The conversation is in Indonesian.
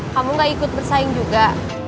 kamu gak ikut bersaing juga